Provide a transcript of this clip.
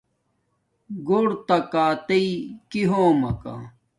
گھور نا کاتی کہ ہوم ماکا